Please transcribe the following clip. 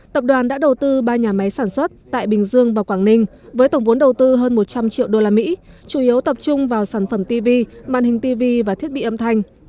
tập đoàn đã đầu tư ba nhà máy sản xuất tại bình dương và quảng ninh với tổng vốn đầu tư hơn một trăm linh triệu usd chủ yếu tập trung vào sản phẩm tv màn hình tv và thiết bị âm thanh